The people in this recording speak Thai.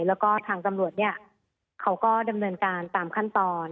แล้วก็ทางตำรวจเนี่ยเขาก็ดำเนินการตามขั้นตอน